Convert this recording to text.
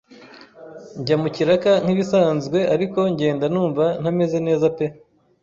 njya mu kiraka nk’ibisanzwe ariko ngenda numva ntameze neza pe,